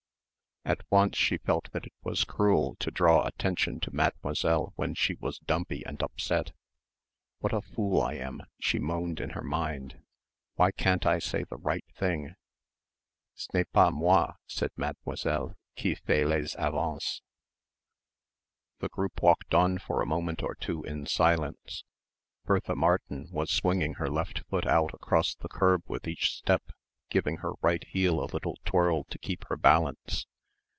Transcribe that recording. At once she felt that it was cruel to draw attention to Mademoiselle when she was dumpy and upset. "What a fool I am," she moaned in her mind. "Why can't I say the right thing?" "Ce n'est pas moi," said Mademoiselle, "qui fait les avances." The group walked on for a moment or two in silence. Bertha Martin was swinging her left foot out across the curb with each step, giving her right heel a little twirl to keep her balance.